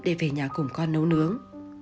để về nhà cùng con nấu nướng